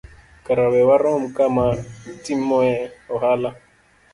kara we warom kama itimoe ohala.